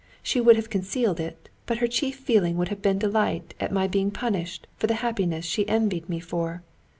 She would have concealed it, but her chief feeling would have been delight at my being punished for the happiness she envied me for.